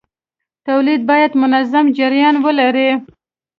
تولید باید منظم جریان ولري.